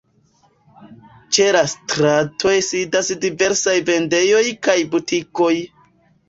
Ĉe la stratoj sidas diversaj vendejoj kaj butikoj.